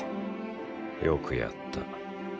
よくやった。